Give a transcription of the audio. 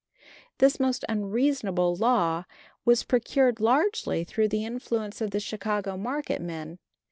This most unreasonable law was procured largely through the influence of the Chicago market men.